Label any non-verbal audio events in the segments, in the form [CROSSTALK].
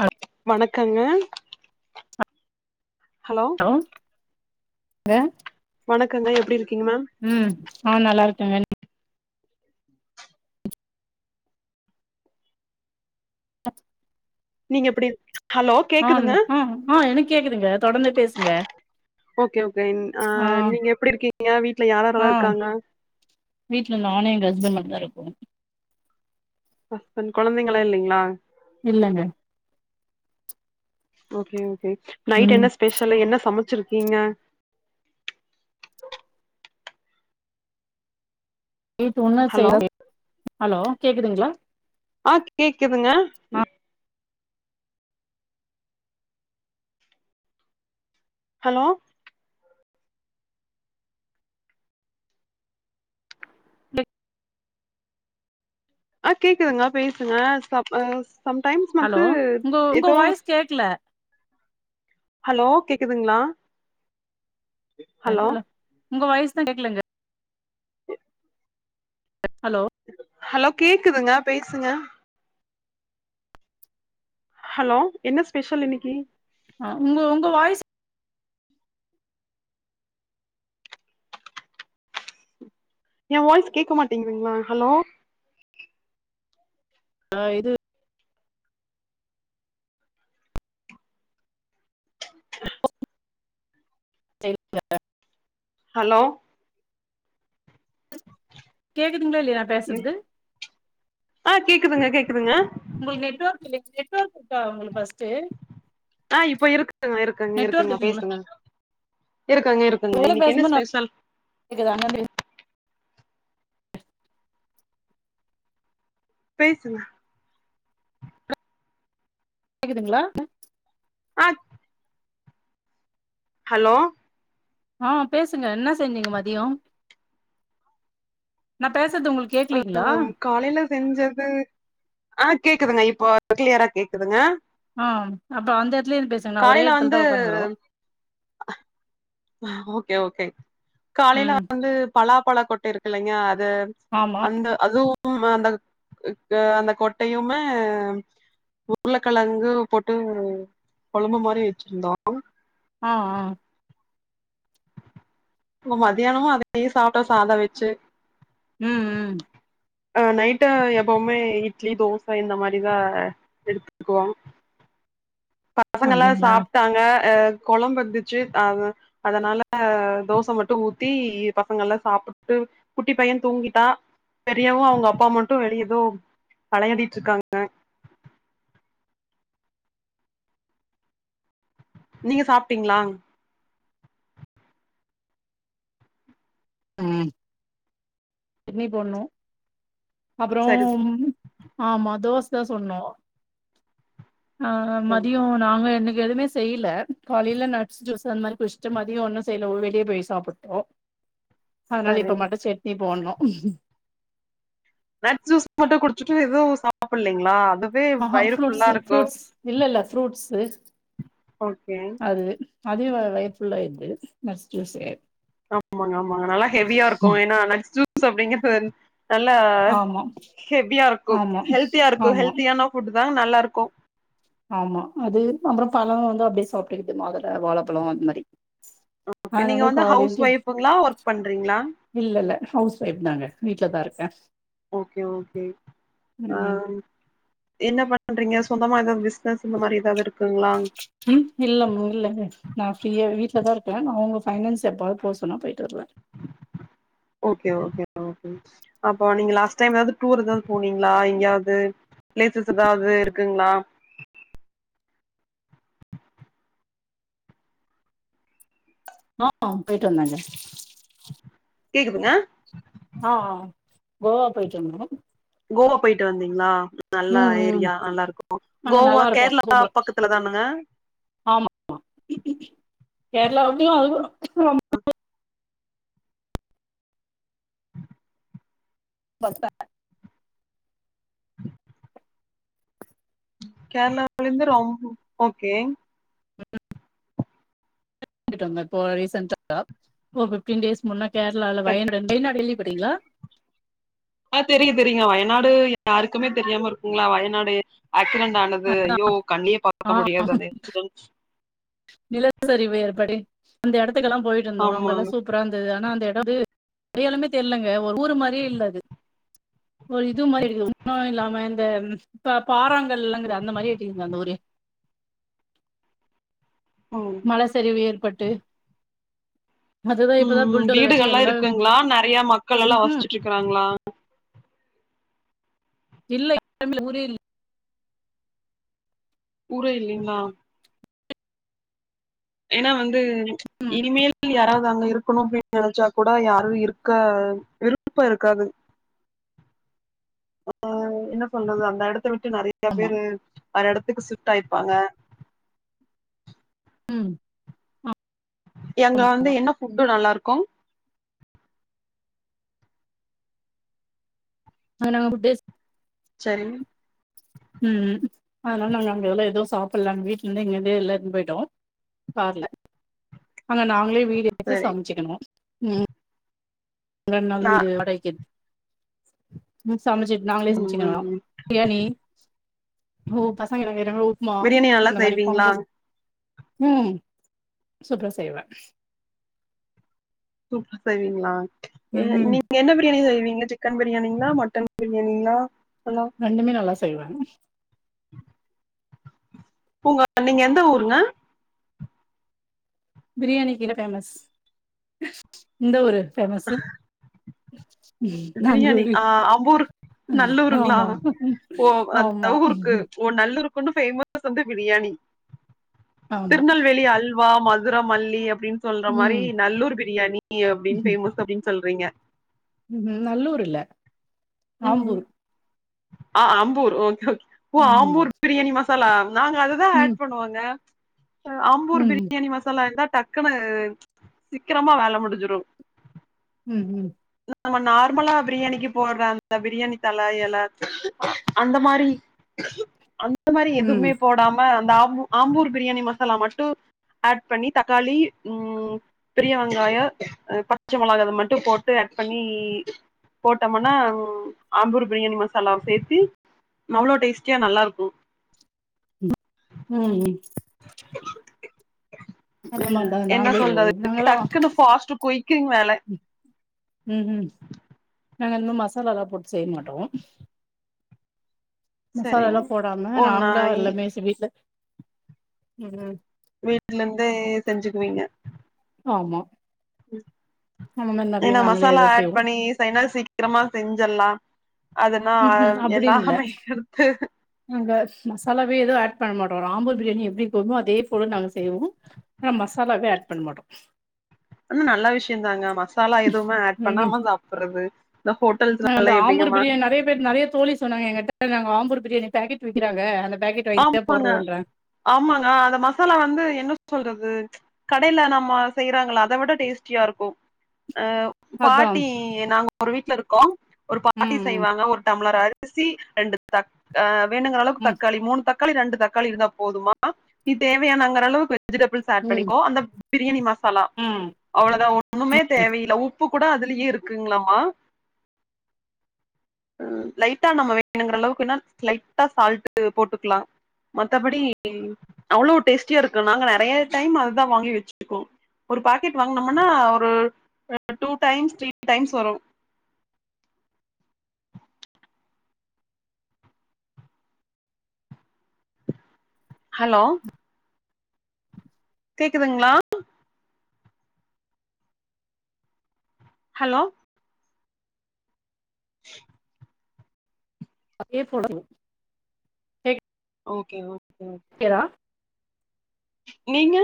Hello வணக்கங்க hello ங்க வணக்கங்க எப்டி இருக் ம் நா நல்லா இருக்காங்க நீங்க எப்டி ஹலோ ஆஹ் கேக்குதுங்க ஆ ஆ எனக் கேக்குதுங்க தொடந்து பேசுங்க ஓகே ஓகே அ ஆ நீங்க எப்டி இருக்கீங்க வீட்ல ஆ யாராரெல்லா இருக்காங்க வீட்ல நானு எங்க ஹஸ்பண்ட் மட்டுந்தா இருக்கோ ஹஸ்பண்ட் கொழந்தைங்கள்லா இல்லீங்களா இல்லங்க ஓகே ஓகே நைட் ம் என்ன ஸ்பெஷலு என்ன சமச்சிருக் கீங்க ஹலோ [UNINTELLIGIBLE] ஹலோ கேக்குதுங்களா ஆ கேக்குதுங்க ஆ ம் ஹலோ அ கேக்குதுங்க பேசுங்க சப் ஆ சம்டைம்ஸ் ஹலோ வந்து உங்க உங்க ஏதோ வாய்ஸ் கேக்கல ஹலோ கேக்குதுங்ளா ஹலோ உங்க வாய்ஸ் தா கேக்குலங்க ஹலோ ஹலோ கேக்குதுங்க பேசுங்க ஹலோ என்ன ஸ்பெஷல் இன்னிக்கி ஆ உங்க உங்க வாய்ஸ் எ வாய்ஸ் கேக்க மாட்டேங்குதுங்களா ஹலோ ஆ இது அஹ் செரிங்க ஹலோ கேக்குதுங்ளா இல்லையா ம் பேசற்து ஆ கேக்குதுங்க கேக்குதுங்க உங்களுக்கு நெட்வொர்க் இல்ல நெட்வொர்க் இருக்கா உங்ளுக்கு ஃபஸ் ஆ இப்போ இருக்குங்க இருக்குங்க நெட்வொர்க் இருக்குங்க இருக்குங்களா பேசுங்க இருக்குங்க இருக்குங்க எவ்ளோ இன்னைக்கு என்ன பேசும்போது நல்லா ஸ்பெஷல் கேக்குது அங்கருந்து பேசுங்க கேக்குதுங்களா ஆ ஹலோ ஆ பேசுங்க என்ன செஞ்சீங்க மதியொ நா பேச் அ ஆ காலையில செஞ்சது ஆ கேக்குதுங்க இ ப்போ கிளியரா கேக்குதுங்க ஆ அப்ப அந்த எடத்துலயே இருந்து பேசுங்க நா ஒரே காலையில எடத்துல வந்து தா உக்காந்துகுறோ அஹ் ஓகே ஓகே காலையில வந்து பலா பழா கொட்ட இருக்கு இல்லைங்கா அ அது ஆமா அந்த அதுவு [UNINTELLIGIBLE] அந்தக் க்கு அந்த கொட்டையுமே உருளக்கெழங்கு போட்டு கொழம்பு மாரி வெச்சிருந்தோ ஆ ஆ ம மாதியானமு அதே சாப்ட்டோ சாத வெச்சு ம் ம் அ நைட்டா எப்பவுமே இட்லி தோச இந்த மாரிதா எடுத்துட்டுத்க்குவோ பசங்கல்லா அப்டிங்களா சாப்ட்டாங்க அ கொழம்பு இருந்துச்சு ஆ அதனால தோச மட்டு ஊத்தி பசங்கல்லா சாப்புட்டுட் டு குட்டி பைய தூங்கிட்டா பெரியவு அவங்க அப்பா மட்டு வெளிய எதோ வெளையாடிட்ருக்காங்க நீங்க சாப்ட்டீங்களா ம் இட்னி போட்ணு அப்புறோ சரி ஆமா தோச சொன்னோ ஆ சரி மதியோ நாங்க என்னிக் கு எதுவுமே செய்யுல காலையில நட்ஸ் ஜூஸ் அந்த மாரி குச்சட்டு மதியோ ஒன்னு செய்ல உ வெளியே போய் சாப்பிட்டோ அதனால சரி இப்ப மட்டு சட்னி போட்னு நட் ஜூஸ் மட்டு குடிச்சுட்டு எதுவு சாப்பிட்ல இல்லைங்களா அது ஆஹ்ஹ ஃப்ரூடஸ் ஃரூட்ஸ் இல்ல இல்ல ஃப்ரூட்ஸ்ஸு ஓகே அதே வா வயிறு ஃபுல் ஆயிருது நட்ஸ் ஜூஸ்ஸே ஆமாங்க ஆமாங்க நல்லா ஹெவியா இருக்கு ஏன்னா நெக்் ஜூஸ் அப்டிங்குறது வந் நல்லா ஆமா, ஹெவியா இருக்கும் ஆமா, ஹெல்த்தியா இருக்கு ஆமா, ஹெல்த்தியான ஃபுட் தா நல்லா இருக் கு ஆமா அது அப்புறோ பழொ வந்து அப்டியே சாப்ட்டுக்கிட்டு மாதுல வாழைப்பழொ அந்த மாரி [UNINTELLIGIBLE] அதனால வந்து ஹவுஸ் காலேஜ் இப் ஒய்ஃபுங்களா ஒர்க் பண்றீங்களா இல்ல இல்ல ஹவுஸ் ஒய்ஃப் நானு வீ ட்ல தா இருப்பே ஒகே ஒகே அ ம். என்ன பண்றீங்க சொந்தமா ஏதாவது பிஸ் உம் இல்லமு இல்லமு நா ஃப்ரீயா வீட் வீட்லதா இருக்க நா அவங்க ஃபைனான்ஸ் எப்பாவது போ சொன்னா போயிட்டு வருவ ஓகே ஓகே ஓகே அப்போ நீங்க லாஸ்ட் டைம் ஏதாவது டூர் ஏதாவது போனீங்களா எங்கேயாவது பிளேசஸ் ஏதாவது இருக்குங்களா ஆஹ் போய்ட்டு வந்தாக கேக்குதுங்க ஆஹ் கோவ போய்ட்டு வந்த கோவா போயிட்டு வந்தீங்களா நல்லா ம், ம். ஏரியா நல்லா இருக்கு அங்க கோவா கேரளா பக்கத்துல தானுங்க ஆமாமா கேரளா [INAUDIBLE] [UNINTELLIGIBLE] கேரளாவில இருந்து ரொம்ப ஓகே ம் ங்க இ ரீசொ ஃபிஃப்டீன் டேஸ் முன்னா கேரளாலல வயநாடு வயநாடு கேள்விப்பட்ருக்கீங்களா ஆஹ் தெரியு தெரியு வயநாடு யாருக்குமே தெரியாம இருக்குங்களா வயநாடு ஆக்சுவல ஆனது ஐயோ கண்ணுலயே பார்க்க முடியாது அந்த இன்சிடென்ட்ஸ் நிலசரிவு ஏற்படி அந்த இடத்துக்கெல்லா போயிட்டு வந்தோ அங்க எல்லா ஆமாங்க. சூப்பரா இருந்தது ஆனா அந்த து அடயாலமே தெரியலங்க ஒரு ஊரு மாரியே இல்ல அது ஒரு இது மாரி இருக்குது ஒன்னு இல்லாம இந்த ப பாராங்கலங்குதே அந்த மாரி [UNINTELLIGIBLE] அந்த ஊரே ம். மல சரிவு ஏற்பட்டு அதுதா இப்பதா உம் புல்டோசர் வச்சு வீடுகள்ல்லா எல்லா இருக்குங்களா நறைய மக்கள் எல்லா ம்ஹும் வசிச்சுட்டு இருக்கிறாங்களா இல்லவ் [UNINTELLIGIBLE] ஊரே ஊரே இல்லீங்களா ஏன்னா வந்து இனிமேல் யாராவது அங்க இருக்கணு அப்டின்னு நெனைச்சா கூட யாரு இருக்க க விருப்ப இருக்காது அஹ் என்ன சொல்றது அந்த எடத்துல நெறைய ஆமா பேரு வேற எடத்துக்கு ஷிஃப்ட் ஆயிருப்பாங்க ம் ஆ எங்க வந்து என்ன ஃபுட்டு நல்லா இருக்கு ஆ நாங்க [UNINTELLIGIBLE] சேரி உம் அதனால நாங்க அங்க எல்ல எதுவு சாப்பிலா அங்க வீட்டுல இருந்தே இங்க இருந்தே எல்லா எடுத்துனு போயிட்டோ காருல அங்க நாங்களே வீடு எடுத்து சரி சமைச்சுக்கனோ உம் எவ்ளோ நாள் நா வீடு வடைக்கு எடுத்து ம் சமைச்ச நாங்களே ம் ம் சமைச்சிக்னோ ம் பிரியாணி ஒ பசங்க [UNINTELLIGIBLE] ரவா உப்புமா பிரியாணி நல்லா அந்த மாரி செய்வீங்களா [UNINTELLIGIBLE] உம் சூப்ரா செய்வ சூப்பர் செய்வீங்களா அ ம் நீங்க என்ன பிரியாணி செய்வீங் நீங்க சிக்கன் பிரியாணிங்களா மட்டன் பிரியாணிங்களா ஹலோ ரெண்டுமே நல்லா செய்வாங் உங்க நீங்க எந்த ஊருங்க பிரியாணிக்குன பேமஸ் இந்த ஊரு பேமஸு பிரியாணி ஆஹ் ஆம்பூர் நல்லூருங்களா ஆமா ஓ ஆமா [UNINTELLIGIBLE] ஓ நல்லூரு கொனு பேமஸ் வந்து பிரியாணி ஆமா திருநெல்வேலி அல்வா மதுர மல்லி அப்டின்னு சொல்ற மாரி ம் நல்லூர் பிரியாணி அப்டின்னு பேமஸ் அப்டின்னு சொல்றீங்க ம் நல்லூர் இல்ல ம் ஆம்பூர் ஆ அம்பூர் ஓகே கே ஓ ம் ஆம்பூர் பிரியாணி மசாலா நாங்க அதுதா ம் ஆட் பண்ணுவாங்க அம்பூர் ம் பிரியாணி மசாலா தா டக்குன்னு சீக்கிரமா வேல முடிஞ்சிடு உம் உம் நம்ம நார்மலா பிரியாணிக்கு போடறா அந் அந்த பிரியாணி தல எல அந்த மாரி அந் இந்த மாரி ம் எதுவுமே போடாம அந்த ஆம்ப ஆம்பூர் பிரியாணி மசாலா மட்டு ஆட் பண்ணி தக்காளி உம் பெரிய வெங்காயோ பச்ச மொளக இது மட்டு போட்டு் பண்ணி போட்டோம்னா ஆம்பூர் பிரியாணி மசாலாவ சேத்தி அவ்ளோ டேஸ்ட்டியா நல்லா இருக்கு உம் உம் அந்த உம் மாரிதா என்ன நாங்களே செய்வோ சொல்றது நாங்கல்லா டக்குன்னு ஃப்ஸ்ட் குய்கீங்க வேல உம் உம் நாங்க இன்னு மசாலல்லா போட்டு செய்ய மாட்டோ மசாலா சரிங் எல்லா போடாம ஒன்னா நாங்களா எல்லாமே செ வீட்டுல உம் வீட்டுல இருந்தே செஞ்சுக்குவீங்க ஆமா அந்த மாரி நெறைய ஏன்னா நாங்களே மசாலா எதா ஆட் செய்வோ பண்ணி சைனால் சீக்கிரமா செஞ்சலாம் அதென்ன ம்ஹூம் அப்டின்னு இல்ல எல்லாமே எடுத்து நாங்க மசாலாவே ஏதோ ஆட் பண்ண மாட்டோம் ஆம்பூர் பிரியாணி எப்படி போயமோ அதே போல நாங்க செய்வோம் ஆனா மசாலாவே ஆட் பண்ண மாட்டோ அந்த நல்ல விஷயம் தாங்க மசாலா எதுவுமே ஆட் ம் பண்ணாம சாப்பிடுறது நாங்க அந்த ஆம்பூர் பிரியாணி நிறைய பேர் நிறைய தோழி சொன்னாங்க எங்கிட்ட நாங்க ஆம்பூர் பிரியாணி பாக்கெட் விக்கிறாங்க அந்த பேக்கெட் வாங்கிதா ஆமாங்க போடுறோன்றாங்க ஆமாங்க அந்த மசாலா வந்து என்ன சொல்றது கடையில நம்ம செய்யறாங்களா அத விட டேஸ்டியா இருக்கும் அ அதா பாட்டி நாங்க ஒரு வீட்ல இருக்கோம் ஒரு பாட்டி ம் ம் செய்வாங்க ஒரு டம்ளர் ஆ ரிசி ரெண்டு தட் வேணண்டுங்கிற அளவுக்கு ம் தக்க மூணு தக்காளி ரெண்டு தக்காளி இருந்தா போதுமா நீ தேவையான அங்க அளவுக்கு வெஜிடபிள்ஸ் அது ம் பண்ணிக்கோ அந்த பிரியாணி மசாலா ம் அவ்வளோதா ஒண்ணுமே தேவையில்ல உப் பு கூட அதுலயே இருக்குங்களாமா உம் லைட்டா நம்ம வேணுங்கிற அளவுக்குனா லைட்டா சால்ட்டு போட்டுக்கலா மத்தபடி அவ்வளவு டேஸ்டியா இருக்கு நாங்க நிறைய டைம் அதுதா வாங்கி வச்சிருக்கோ ஒரு பாக்கெட் வாங்கினம்னா ஒரு டூ டைம்ஸ் த்ரீ டைம்ஸ் வரும் ஹலோ கேக்குதுங்களா ஹலோ அப்படியே போடனு கேக் ஓகே ஓகே ஓகே ஹெரா நீங்க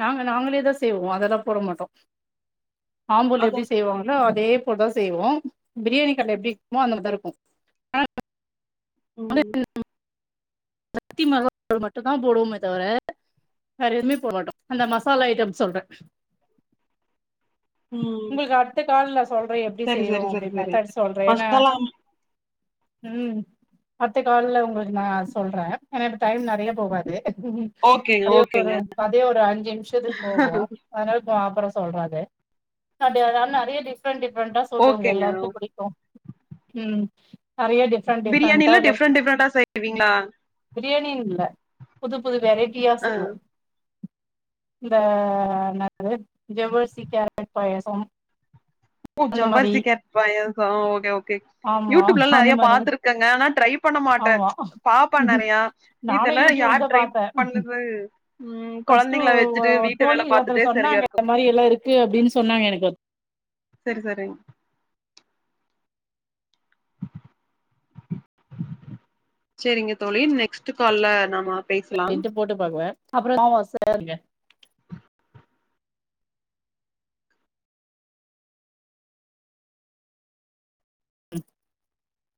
நாங்க நாங்களே தா செய்வோம் அதெல்லாம் போட மாட்டோம் ஆம்பூர்ல அத எப்படி செய்வாங்களோ அதே போட்டுதா செய்வோம் பிரியாணி கடல எப்படி இருக்குமோ அந்த மாதிரிதா இருக்கும் ஆனா உம் சத்தி ம மட்டு தா போடுவோமே தவிர வேற எதுவுமே போட மாட்டோ அந்த மசாலா ஐட்டம் சொல்றே ம் உங்களுக்கு அடுத்த காலல சொல்றே எப்டி சரி செய்யறோ சரி சரி அப்டினு சரி மெத்தட் சொல்றே ஏன்னா மசாலா உம் அடுத்த காலல உங்களுக்கு நா சொல்றேன் ஏன்னா இப்ப டைம் நிறைய போகாது ம் ஓகேங்க அதே ஒரு ஓகேங்க அதே ஒரு அஞ்சு நிமிஷத்துக்கு போகோ அதனால அப்புறோ சொல்ற அத டிஃப்ரெண்டா சொல்லு உங்க ஓகேங்க எல்லாருக்கோ புடிக்கோ நறைய டிஃப்ரெண்ட் டிஃப்ரெண்ட் இல்ல டிஃப்ரெண்ட் டிஃப்ரெண்டா செய்வீங்களா பிரியாணின்னு இல்ல புது புது வெரைட்டியா ஆ செய்வோ இந்த என்னது ஜவ்வசி கேரட் பாயசம் ஓ அந்த மாரி ஜவ்வரிசி கேரட் பாயாசோ ஆ ஓகே ஓகே ஆமா யூடியூப்ல எல்லா அந்த நெறைய மாரி பாத்திருக்கங்க ஆனா ட்ரை பண்ண மாட்டே ஆமா பாப்பே நறைய நானு இதெல்லாம் யார் ட்ரை பண்ணது ஃபஸ்ட்டு ஒ தோழி ஒருத்தர் பாத்துட்டே சரியா சொன்னாங்க இருக்கு இந்த மாரி எல்லா இருக்கு அப்டின்னு சொன்னாங்க எனக்கு செரி செரி சேரிங்க தோழி நெக்ஸ்ட் கால்ல நாம்ம இது போட்டு பாண்ணுவே அப்புறோ [UNINTELLIGIBLE] ம்